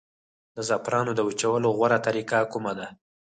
د زعفرانو د وچولو غوره طریقه کومه ده؟